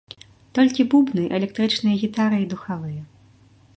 Толькі бубны, электрычныя гітары і духавыя.